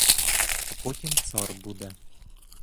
А потім цар буде.